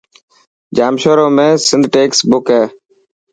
ڄامشوري ۾ سنڌ ٽيڪسٽ بڪ هي.